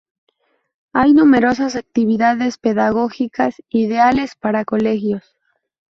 Hay numerosas actividades pedagógicas ideales para colegios.